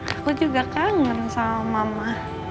aku juga kangen sama mama